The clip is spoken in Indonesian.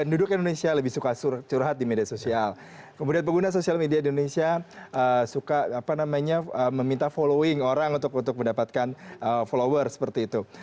penduduk indonesia lebih suka curhat di media sosial kemudian pengguna sosial media di indonesia suka meminta following orang untuk mendapatkan follower seperti itu